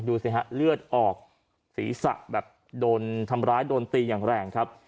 ดูสิฮะเลือดออกศีรษะแบบโดนทำร้ายโดนตีอย่างแรงครับ